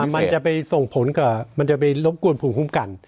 มันจะไปส่งผลกับมันจะไปรบกวนภูมิคุ้มกัน